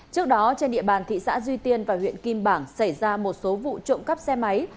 trước đó trên địa bàn thị xã duy tiên và huyện kim bảng xảy ra một số vụ trộm cắp xe máy